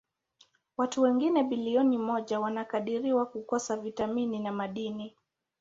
Watu wengine bilioni moja wanakadiriwa kukosa vitamini na madini.